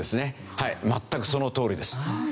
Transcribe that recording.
はい全くそのとおりです。